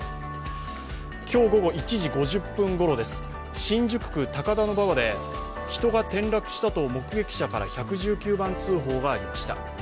今日午後１時５０分ごろです、新宿区高田馬場で人が転落したと目撃者から１１９番通報がありました。